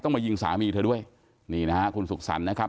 มายิงสามีเธอด้วยนี่นะฮะคุณสุขสรรค์นะครับ